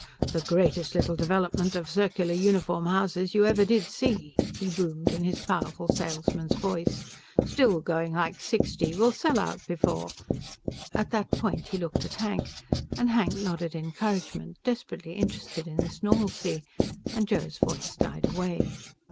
"The greatest little development of circular uniform houses you ever did see," he boomed in his powerful salesman's voice. "Still going like sixty. We'll sell out before " At that point he looked at Hank, and Hank nodded encouragement, desperately interested in this normalcy, and Joe's voice died away.